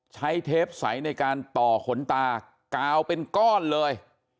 เทปใสในการต่อขนตากาวเป็นก้อนเลย